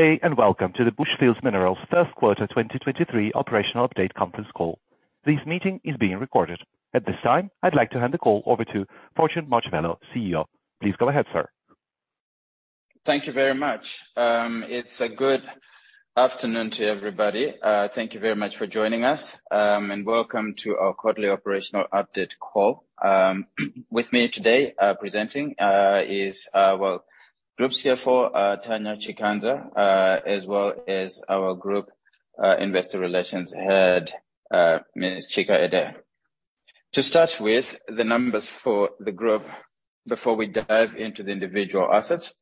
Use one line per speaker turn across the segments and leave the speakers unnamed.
Good day, welcome to the Bushveld Minerals first quarter 2023 operational update conference call. This meeting is being recorded. At this time, I'd like to hand the call over to Fortune Mojapelo, CEO. Please go ahead, sir.
Thank you very much. It's a good afternoon to everybody. Thank you very much for joining us. Welcome to our quarterly operational update call. With me today presenting is, well, Group CFO Tanya Chikanza, as well as our Group Investor Relations Head, Ms. Chika Edeh. To start with the numbers for the group before we dive into the individual assets.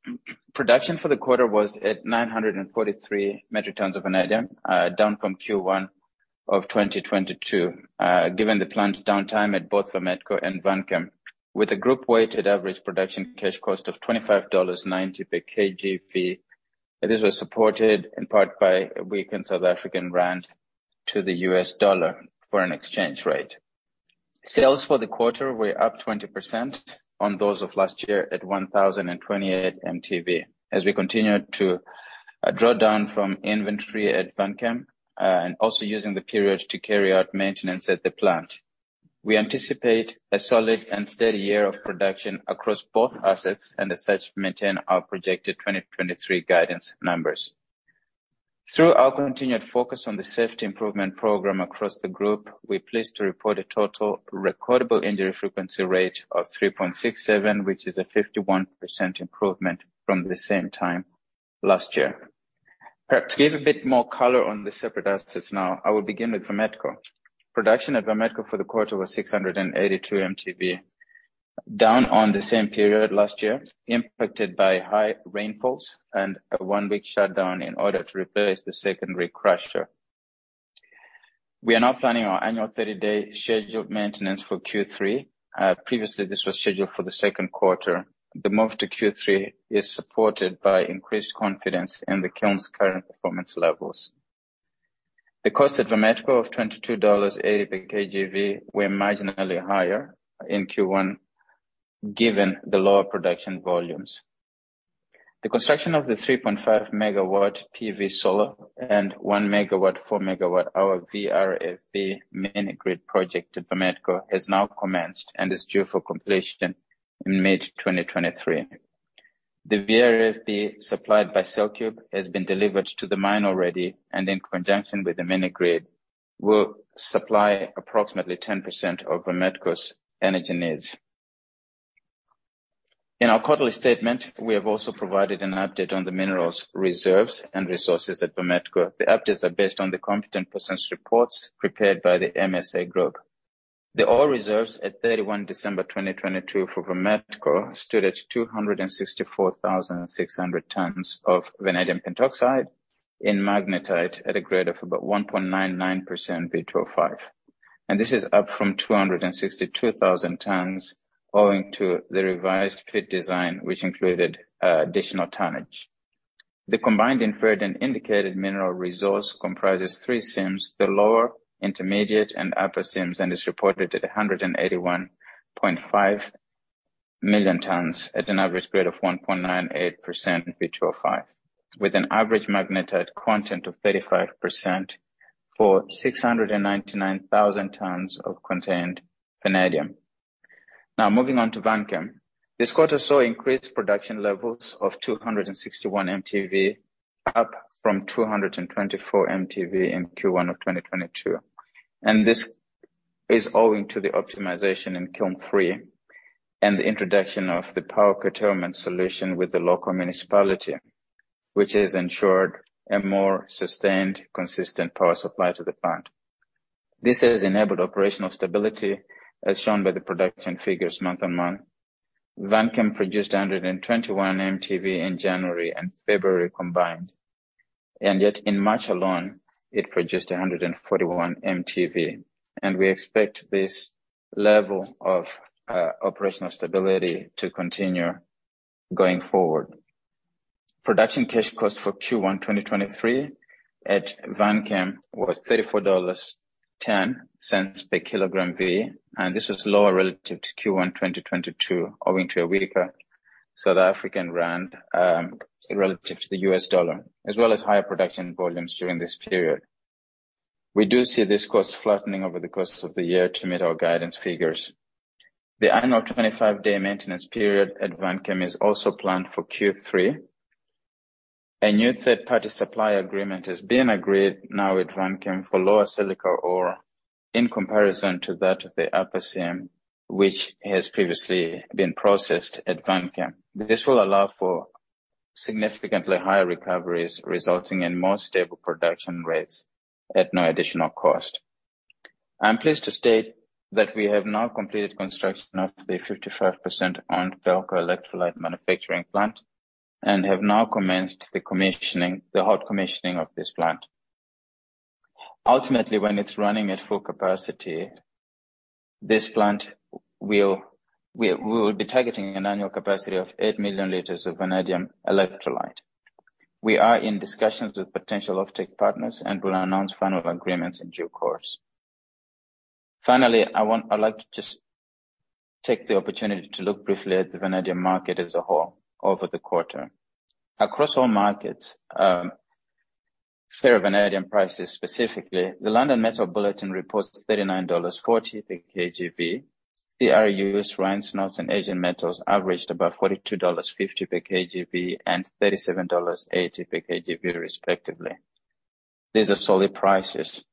Production for the quarter was at 943 metric tons of vanadium, down from Q1 of 2022, given the planned downtime at both Vametco and Vanchem, with a group weighted average production cash cost of $25.90 per kgV. This was supported in part by a weakened South African rand to the U.S. dollar foreign exchange rate. Sales for the quarter were up 20% on those of last year at 1,028 mtV as we continued to draw down from inventory at Vanchem, and also using the period to carry out maintenance at the plant. We anticipate a solid and steady year of production across both assets and as such, maintain our projected 2023 guidance numbers. Through our continued focus on the safety improvement program across the group, we're pleased to report a total recordable injury frequency rate of 3.67, which is a 51% improvement from the same time last year. To give a bit more color on the separate assets now, I will begin with Vametco. Production at Vametco for the quarter was 682 mtV, down on the same period last year, impacted by high rainfalls and a one-week shutdown in order to replace the secondary crusher. We are now planning our annual 30-day scheduled maintenance for Q3. Previously this was scheduled for the second quarter. The move to Q3 is supported by increased confidence in the kiln's current performance levels. The cost at Vametco of $22.80 per kgV were marginally higher in Q1 given the lower production volumes. The construction of the 3.5 MW PV solar and 1 MW, 4 MWh VRFB mini-grid project at Vametco has now commenced and is due for completion in mid-2023. The VRFB supplied by CellCube has been delivered to the mine already, and in conjunction with the mini-grid, will supply approximately 10% of Vametco's energy needs. In our quarterly statement, we have also provided an update on the minerals reserves and resources at Vametco. The updates are based on the Competent Persons Reports prepared by The MSA Group. The ore reserves at 31 December 2022 for Vametco stood at 264,600 tons of vanadium pentoxide in magnetite at a grade of about 1.99% V2O5, and this is up from 262,000 tons owing to the revised pit design, which included additional tonnage. The combined inferred and indicated mineral resource comprises three Seams, the Lower, Intermediate, and Upper Seams and is reported at 181.5 million tons at an average grade of 1.98% V2O5, with an average magnetite content of 35% for 699,000 tons of contained vanadium. Now moving on to Vanchem. This quarter saw increased production levels of 261 mtV, up from 224 mtV in Q1 of 2022. This is owing to the optimization in Kiln 3 and the introduction of the power procurement solution with the local municipality, which has ensured a more sustained, consistent power supply to the plant. This has enabled operational stability, as shown by the production figures month-on-month. Vanchem produced 121 mtV in January and February combined, and yet in March alone, it produced 141 mtV. We expect this level of operational stability to continue going forward. Production cash cost for Q1 2023 at Vanchem was $34.10 per kgV. This was lower relative to Q1 2022 owing to a weaker South African rand relative to the U.S. dollar, as well as higher production volumes during this period. We do see this cost flattening over the course of the year to meet our guidance figures. The annual 25-day maintenance period at Vanchem is also planned for Q3. A new third-party supply agreement has been agreed now with Vanchem for lower silica ore in comparison to that of the Upper Seam, which has previously been processed at Vanchem. This will allow for significantly higher recoveries, resulting in more stable production rates at no additional cost. I'm pleased to state that we have now completed construction of the 55% owned Belco electrolyte manufacturing plant and have now commenced the hot commissioning of this plant. Ultimately, when it's running at full capacity, this plant will be targeting an annual capacity of 8 million L of vanadium electrolyte. We are in discussions with potential offtake partners and will announce final agreements in due course. Finally, I'd like to just take the opportunity to look briefly at the vanadium market as a whole over the quarter. Across all markets, fair vanadium prices specifically, the London Metal Bulletin reports $39.40 per kgV. CRU, Ryan's Notes and Asian Metal averaged about $42.50 per kgV and $37.80 per kgV respectively. These are solid prices.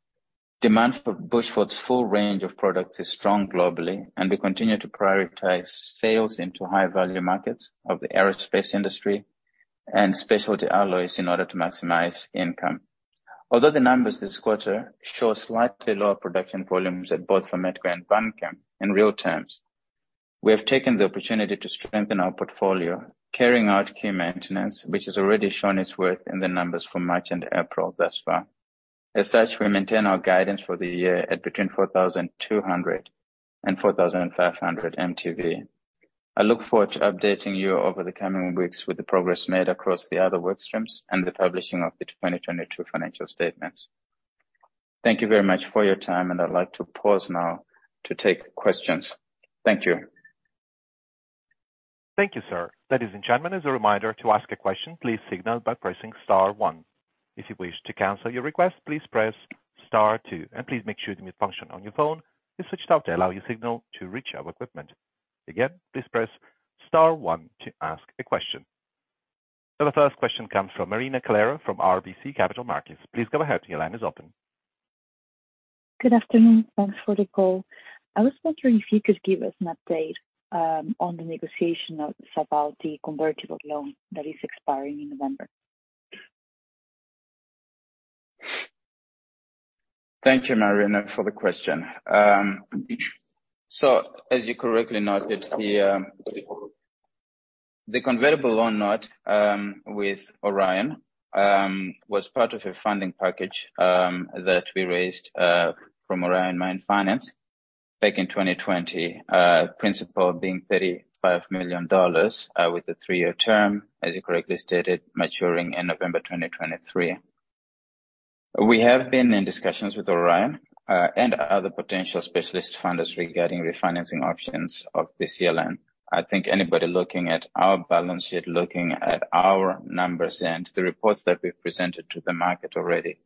Demand for Bushveld's full range of products is strong globally, and we continue to prioritize sales into high value markets of the aerospace industry and specialty alloys in order to maximize income. Although the numbers this quarter show slightly lower production volumes at both Vametco and Vanchem in real terms, we have taken the opportunity to strengthen our portfolio, carrying out key maintenance, which has already shown its worth in the numbers for March and April thus far. As such, we maintain our guidance for the year at between 4,200 and 4,500 mtV. I look forward to updating you over the coming weeks with the progress made across the other work streams and the publishing of the 2022 financial statements. Thank you very much for your time, and I'd like to pause now to take questions. Thank you.
Thank you, sir. Ladies and gentlemen, as a reminder to ask a question, please signal by pressing star one. If you wish to cancel your request, please press star two. Please make sure the mute function on your phone is switched off to allow your signal to reach our equipment. Again, please press star one to ask a question. The first question comes from Marina Calero from RBC Capital Markets. Please go ahead. Your line is open.
Good afternoon. Thanks for the call. I was wondering if you could give us an update on the negotiation notes about the convertible loan that is expiring in November?
Thank you, Marina, for the question. As you correctly noted, the convertible loan note with Orion was part of a funding package that we raised from Orion Mine Finance back in 2020. Principal being $35 million with a three-year term, as you correctly stated, maturing in November 2023. We have been in discussions with Orion and other potential specialist funders regarding refinancing options of the CLN. I think anybody looking at our balance sheet, looking at our numbers and the reports that we've presented to the market already,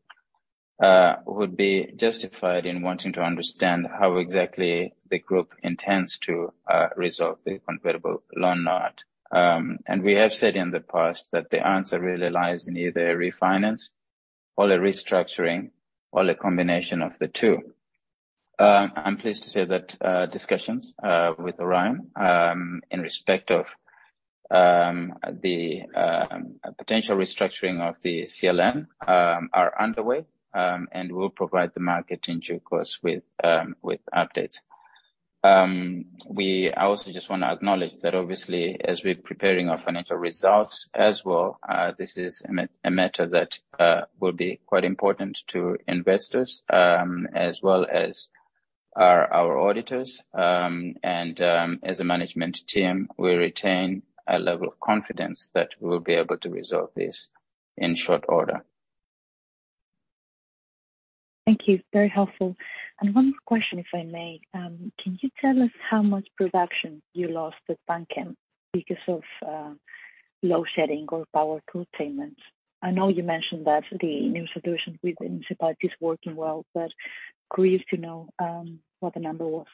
would be justified in wanting to understand how exactly the group intends to resolve the convertible loan note. We have said in the past that the answer really lies in either a refinance or a restructuring or a combination of the two. I'm pleased to say that discussions with Orion in respect of the potential restructuring of the CLN are underway, and we'll provide the market in due course with updates. I also just want to acknowledge that obviously, as we're preparing our financial results as well, this is a matter that will be quite important to investors, as well as our auditors. As a management team, we retain a level of confidence that we'll be able to resolve this in short order.
Thank you. Very helpful. One more question, if I may. Can you tell us how much production you lost at Vanchem because of load shedding or power curtailment? I know you mentioned that the new solution with the municipality is working well, but curious to know what the number was.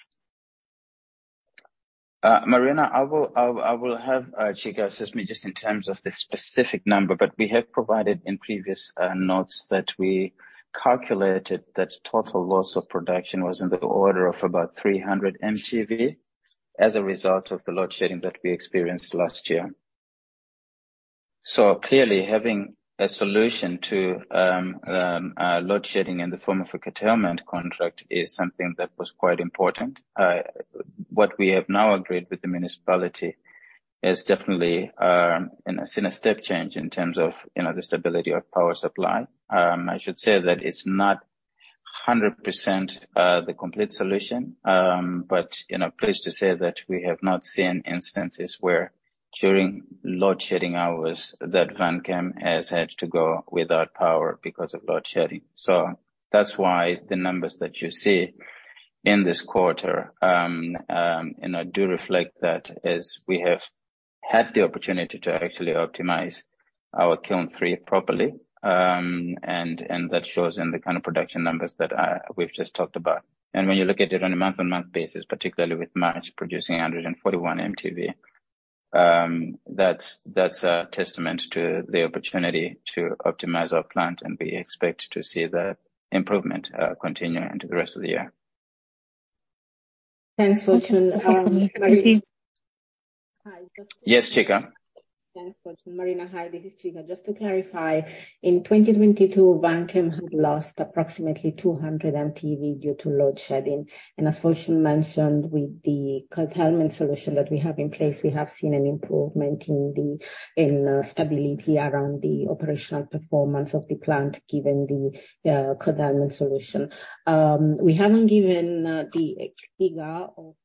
Marina, I will have Chika assist me just in terms of the specific number, but we have provided in previous notes that we calculated that total loss of production was in the order of about 300 mtV as a result of the load shedding that we experienced last year. Clearly, having a solution to load shedding in the form of a curtailment contract is something that was quite important. What we have now agreed with the municipality is definitely seen a step change in terms of, you know, the stability of power supply. I should say that it's not 100% the complete solution. You know, pleased to say that we have not seen instances where during load shedding hours that Vanchem has had to go without power because of load shedding. That's why the numbers that you see in this quarter, you know, do reflect that as we have had the opportunity to actually optimize our Kiln 3 properly. And that shows in the kind of production numbers that we've just talked about. When you look at it on a month-on-month basis, particularly with March producing 141 mtV, that's a testament to the opportunity to optimize our plant, and we expect to see that improvement continue into the rest of the year.
Thanks, Fortune.
Yes, Chika.
Thanks, Fortune. Marina, hi, this is Chika. Just to clarify, in 2022, Vanchem had lost approximately 200 mtV due to load shedding. As Fortune mentioned, with the curtailment solution that we have in place, we have seen an improvement in the stability around the operational performance of the plant given the curtailment solution. We haven't given the figure of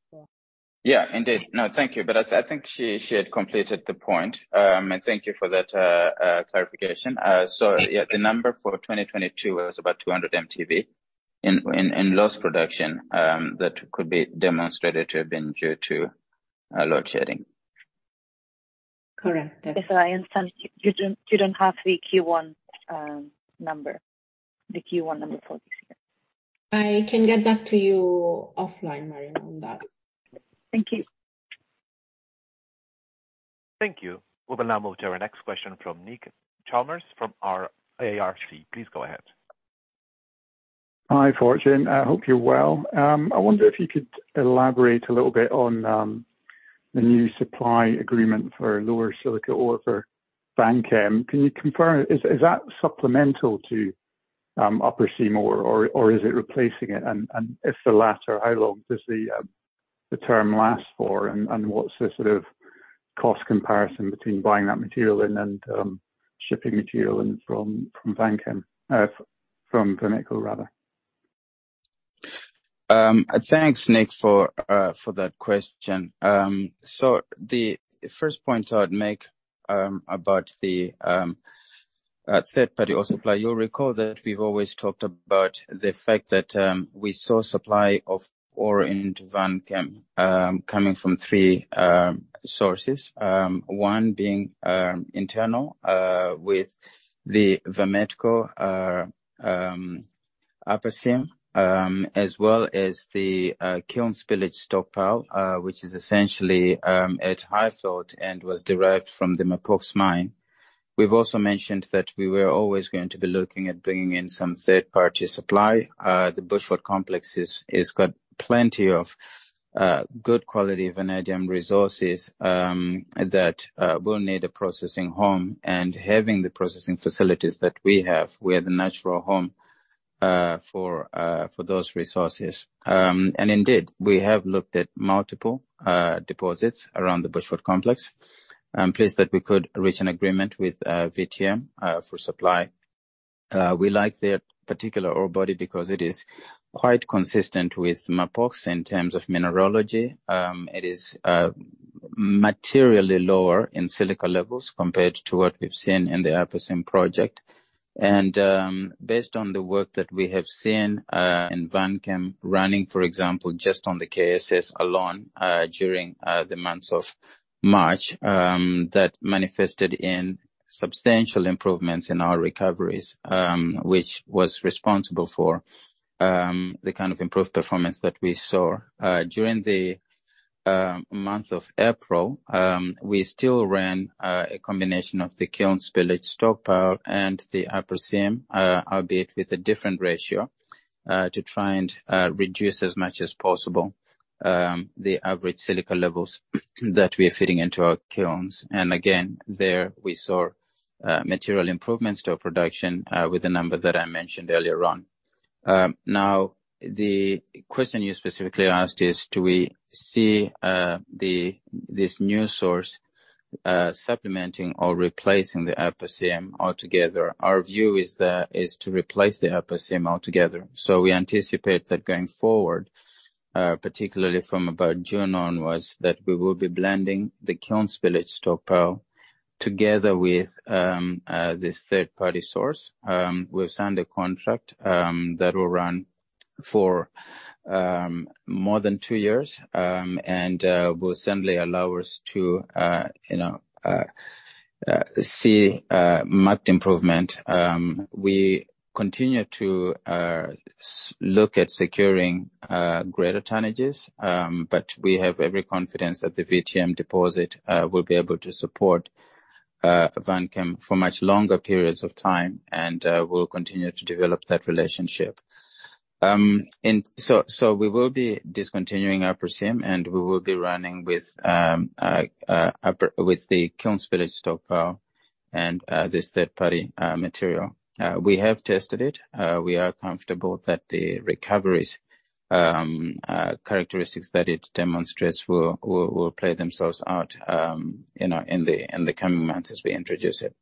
Yeah, indeed. No, thank you. I think she had completed the point. Thank you for that clarification. Yeah, the number for 2022 was about 200 mtV in lost production, that could be demonstrated to have been due to load shedding.
Correct.
I understand you don't have the Q1, number, the Q1 number for this year.
I can get back to you offline, Marina, on that.
Thank you.
Thank you. We'll now move to our next question from Nick Chalmers from ARC. Please go ahead.
Hi, Fortune. I hope you're well. I wonder if you could elaborate a little bit on the new supply agreement for lower silica ore for Vanchem. Can you confirm, is that supplemental to Upper Seam or is it replacing it? If the latter, how long does the term last for? What's the sort of cost comparison between buying that material and then shipping material in from Vanchem, from Vametco rather?
Thanks, Nick, for that question. The first point I'd make about the third-party ore supply. You'll recall that we've always talked about the fact that we saw supply of ore into Vanchem coming from three sources. One being internal with the Vametco Upper Seam as well as the Kiln Spillage stockpile, which is essentially at Highveld and was derived from the Mapochs mine. We've also mentioned that we were always going to be looking at bringing in some third-party supply. The Bushveld Complex is got plenty of good quality vanadium resources that will need a processing home. Having the processing facilities that we have, we're the natural home for those resources. Indeed, we have looked at multiple deposits around the Bushveld Complex. I'm pleased that we could reach an agreement with VTM for supply. We like their particular ore body because it is quite consistent with Mapochs in terms of mineralogy. It is materially lower in silica levels compared to what we've seen in the Upper Seam project. Based on the work that we have seen in Vanchem running, for example, just on the KSS alone, during the months of March, that manifested in substantial improvements in our recoveries, which was responsible for the kind of improved performance that we saw. During the month of April, we still ran a combination of the Kiln Spillage stockpile and the Upper Seam, albeit with a different ratio to try and reduce as much as possible the average silica levels that we are feeding into our kilns. Again, there we saw material improvements to our production with the number that I mentioned earlier on. The question you specifically asked is, do we see this new source supplementing or replacing the Upper Seam altogether? Our view is that is to replace the Upper Seam altogether. We anticipate that going forward, particularly from about June onwards, that we will be blending the Kiln Spillage stockpile together with this third-party source. We've signed a contract that will run for more than two years and will certainly allow us to, you know, see marked improvement. We continue to look at securing greater tonnages, but we have every confidence that the VTM deposit will be able to support Vanchem for much longer periods of time and we'll continue to develop that relationship. We will be discontinuing Upper Seam, and we will be running with the Kiln Spillage stockpile and this third-party material. We have tested it. We are comfortable that the recoveries characteristics that it demonstrates will play themselves out, you know, in the coming months as we introduce it.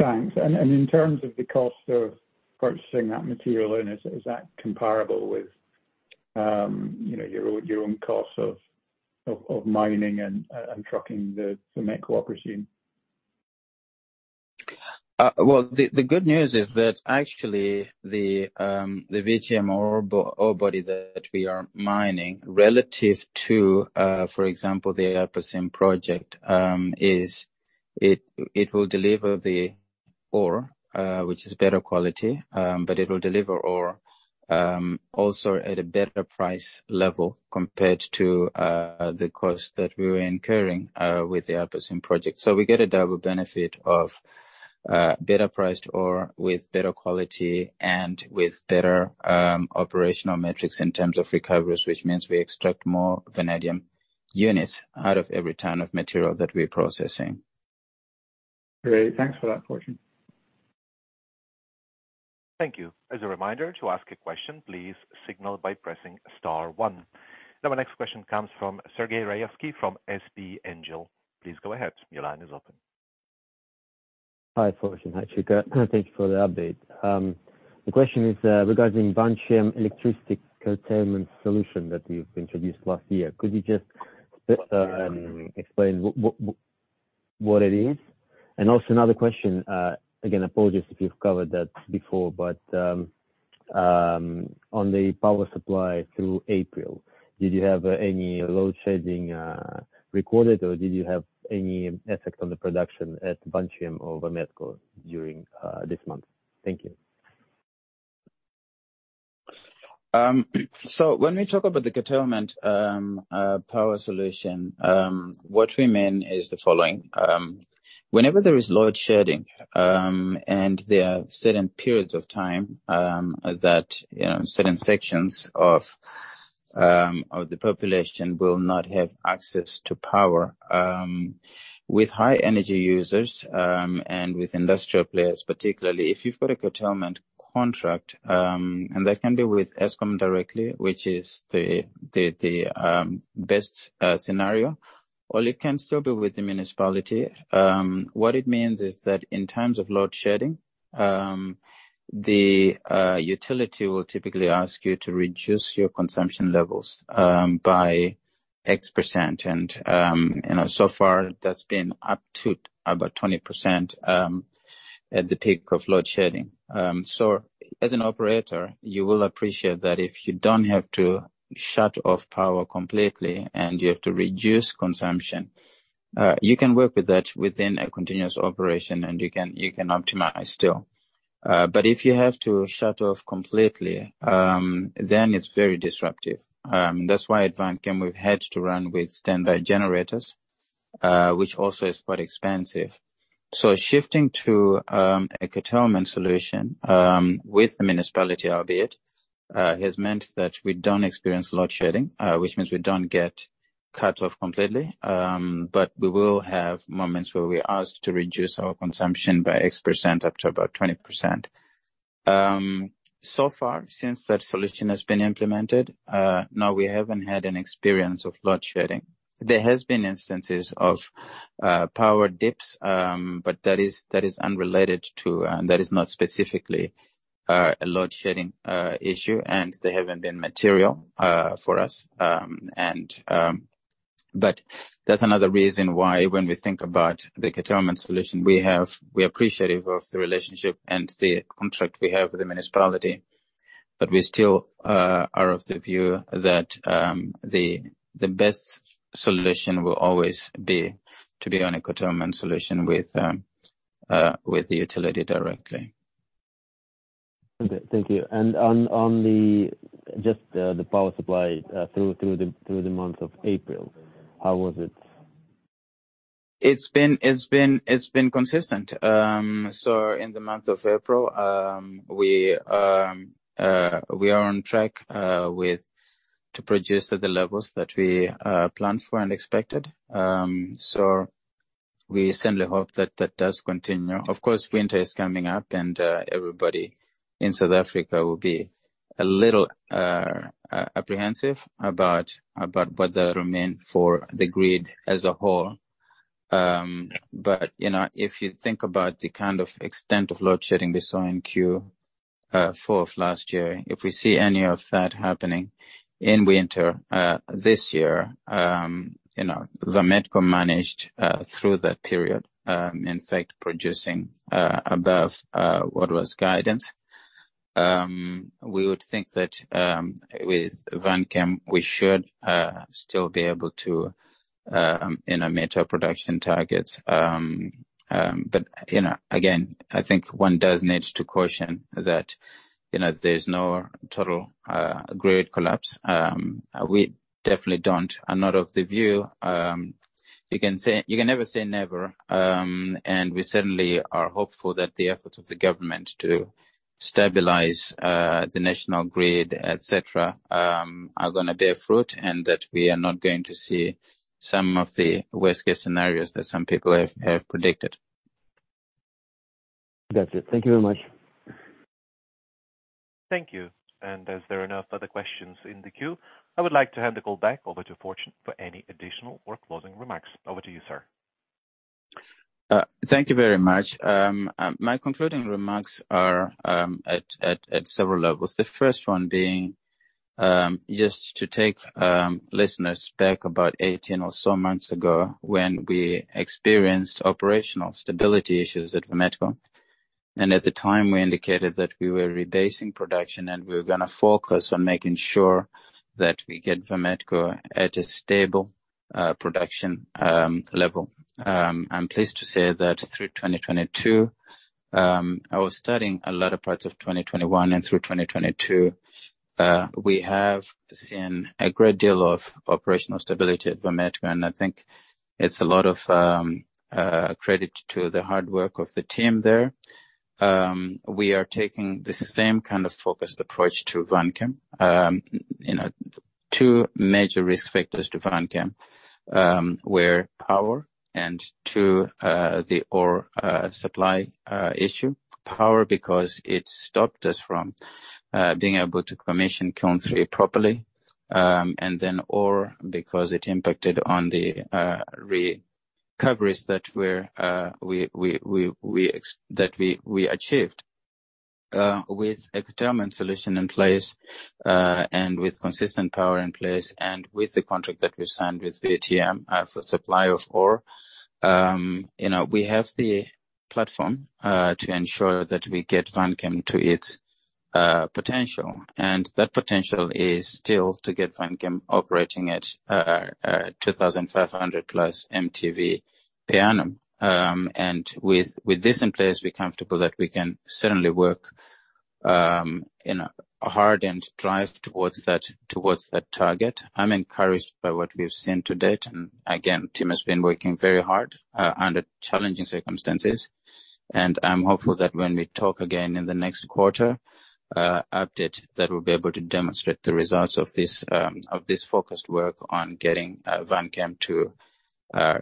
Thanks. In terms of the cost of purchasing that material and is that comparable with, you know, your own costs of mining and trucking the Mapochs Upper Seam?
well, the good news is that actually the VTM ore body that we are mining relative to, for example, the Upper Seam project, is it will deliver the ore, which is better quality. It will deliver ore, also at a better price level compared to the cost that we were incurring with the Upper Seam project. We get a double benefit of better priced ore with better quality and with better operational metrics in terms of recoveries, which means we extract more vanadium units out of every ton of material that we're processing.
Great. Thanks for that, Fortune.
Thank you. As a reminder, to ask a question, please signal by pressing star one. Now my next question comes from Sergey Raevskiy from SP Angel. Please go ahead. Your line is open.
Hi, Fortune. Hi, Chika. Thank you for the update. The question is regarding Vanchem electricity curtailment solution that you've introduced last year. Could you just explain what it is? Also another question, again, apologies if you've covered that before, but on the power supply through April, did you have any load shedding recorded, or did you have any effect on the production at Vanchem or Vametco during this month? Thank you.
So when we talk about the curtailment power solution, what we mean is the following: whenever there is load shedding, and there are certain periods of time that, you know, certain sections of the population will not have access to power, with high energy users, and with industrial players particularly, if you've got a curtailment contract, and that can be with Eskom directly, which is the best scenario, or it can still be with the municipality, what it means is that in times of load shedding, the utility will typically ask you to reduce your consumption levels by X percent. You know, so far that's been up to about 20% at the peak of load shedding. As an operator, you will appreciate that if you don't have to shut off power completely and you have to reduce consumption, you can work with that within a continuous operation, and you can optimize still. If you have to shut off completely, then it's very disruptive. That's why at Vanchem we've had to run with standby generators, which also is quite expensive. Shifting to a curtailment solution with the municipality, albeit, has meant that we don't experience load shedding, which means we don't get cut off completely. We will have moments where we're asked to reduce our consumption by X percent up to about 20%. So far, since that solution has been implemented, no, we haven't had an experience of load shedding. There has been instances of power dips, but that is unrelated to, and that is not specifically a load-shedding issue, and they haven't been material for us. That's another reason why when we think about the curtailment solution we have, we're appreciative of the relationship and the contract we have with the municipality, but we still are of the view that the best solution will always be to be on a curtailment solution with the utility directly.
Okay. Thank you. On the, just, the power supply through the month of April, how was it?
It's been consistent. In the month of April, we are on track with to produce at the levels that we planned for and expected. We certainly hope that that does continue. Of course, winter is coming up and everybody in South Africa will be a little apprehensive about what remains for the grid as a whole. You know, if you think about the kind of extent of load shedding we saw in Q4 of last year, if we see any of that happening in winter this year, you know, Vametco managed through that period, in fact producing above what was guidance. We would think that, with Vanchem, we should still be able to, you know, meet our production targets. You know, again, I think one does need to caution that, you know, there's no total grid collapse. We definitely don't and not of the view. You can say, you can never say never, and we certainly are hopeful that the efforts of the government to stabilize the national grid, et cetera, are gonna bear fruit and that we are not going to see some of the worst-case scenarios that some people have predicted.
That's it. Thank you very much.
Thank you. As there are no further questions in the queue, I would like to hand the call back over to Fortune for any additional or closing remarks. Over to you, sir.
Thank you very much. My concluding remarks are at several levels. The first one being just to take listeners back about 18 or so months ago when we experienced operational stability issues at Vametco. At the time, we indicated that we were rebasing production, and we were gonna focus on making sure that we get Vametco at a stable production level. I'm pleased to say that through 2022, I was studying a lot of parts of 2021 and through 2022, we have seen a great deal of operational stability at Vametco, and I think it's a lot of credit to the hard work of the team there. We are taking the same kind of focused approach to Vanchem. You know, two major risk factors to Vanchem were power and to the ore supply issue. Power, because it stopped us from being able to commission Kiln 3 properly, and then ore, because it impacted on the recoveries that we achieved. With a determined solution in place, and with consistent power in place, and with the contract that we've signed with VTM, for supply of ore, you know, we have the platform to ensure that we get Vanchem to its potential. That potential is still to get Vanchem operating at 2,500+ mtV per annum. With this in place, we're comfortable that we can certainly work, you know, hard and drive towards that, towards that target. I'm encouraged by what we've seen to date. Again, Tim has been working very hard, under challenging circumstances. I'm hopeful that when we talk again in the next quarter, update, that we'll be able to demonstrate the results of this, of this focused work on getting Vanchem to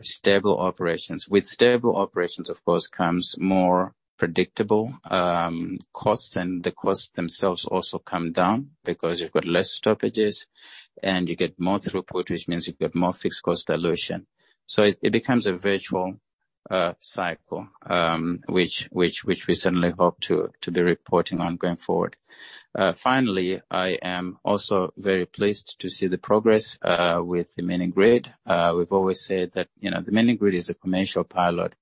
stable operations. With stable operations, of course, comes more predictable, costs, and the costs themselves also come down because you've got less stoppages and you get more throughput, which means you've got more fixed cost dilution. It becomes a virtual, cycle, which we certainly hope to be reporting on going forward. Finally, I am also very pleased to see the progress with the mini-grid. We've always said that, you know, the mini-grid is a commercial pilot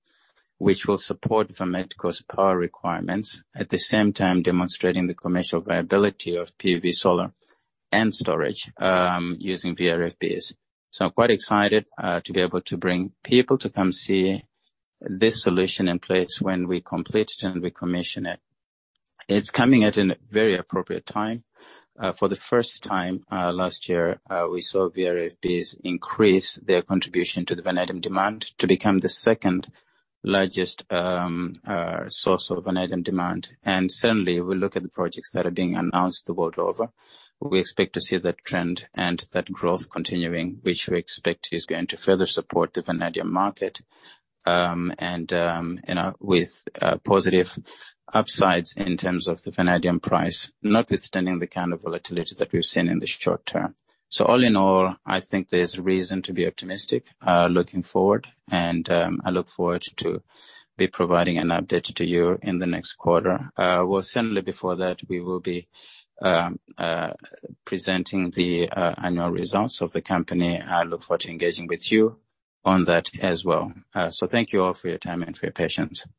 which will support Vametco's power requirements, at the same time demonstrating the commercial viability of PV solar and storage, using VRFBs. I'm quite excited to be able to bring people to come see this solution in place when we complete it and we commission it. It's coming at a very appropriate time. For the first time, last year, we saw VRFBs increase their contribution to the vanadium demand to become the second largest source of vanadium demand. Certainly, we look at the projects that are being announced the world over. We expect to see that trend and that growth continuing, which we expect is going to further support the vanadium market, and, you know, with positive upsides in terms of the vanadium price, notwithstanding the kind of volatility that we've seen in the short term. All in all, I think there's reason to be optimistic looking forward, and I look forward to be providing an update to you in the next quarter. Well, certainly before that, we will be presenting the annual results of the company. I look forward to engaging with you on that as well. Thank you all for your time and for your patience.